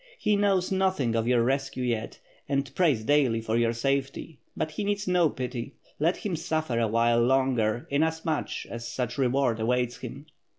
He knows nothing of your rescue yet, and prays daily for your safety —• l)ut he needs no pity. Let him suffer a while longer inas much as such reward awaits him."